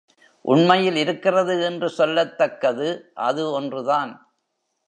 உண்மையில் இருக்கிறது என்று சொல்லத் தக்கது அது ஒன்று தான்.